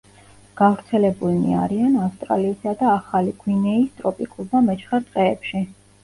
გავრცელებულნი არიან ავსტრალიისა და ახალი გვინეის ტროპიკულ და მეჩხერ ტყეებში.